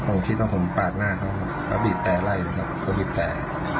ตรงที่ต้องผมปาดหน้าเขาก็บีดแต่ไล่นะครับเขาบีดแต่